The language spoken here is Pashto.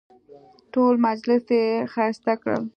ټول مجلس یې ښایسته کړ.